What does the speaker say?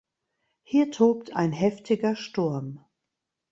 Hier tobt ein heftiger Sturm.